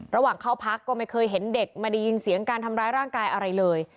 ระหว่างเข้าพักก็ไม่เคยเห็นเด็กไม่ได้ยินเสียงการทำร้ายร่างกายอะไรเลย